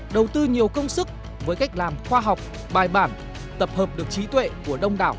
đầu tư nhiều công sức với cách làm khoa học bài bản tập hợp được trí tuệ của đông đảo